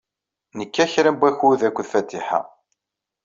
Nekka kra n wakud akked Fatiḥa.